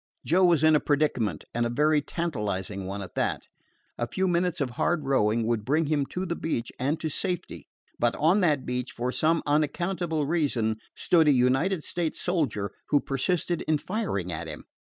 Joe was in a predicament, and a very tantalizing one at that. A few minutes of hard rowing would bring him to the beach and to safety; but on that beach, for some unaccountable reason, stood a United States soldier who persisted in firing at him.